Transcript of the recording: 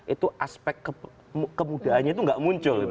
itu aspek kemudahannya itu nggak muncul